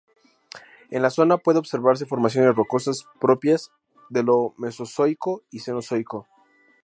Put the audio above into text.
En la zona pueden observarse formaciones rocosas propias del mesozoico y cenozoico.